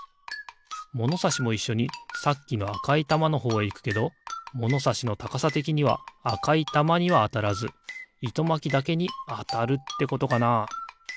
ものさしもいっしょにさっきのあかいたまのほうへいくけどものさしのたかさてきにはあかいたまにはあたらずいとまきだけにあたるってことかな？